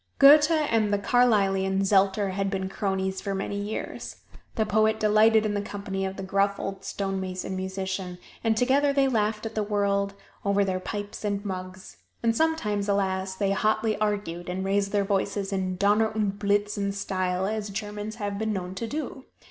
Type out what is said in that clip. Goethe and the Carlylian Zelter had been cronies for many years. The poet delighted in the company of the gruff old stone mason musician, and together they laughed at the world over their pipes and mugs. And sometimes, alas, they hotly argued and raised their voices in donner und blitzen style, as Germans have been known to do.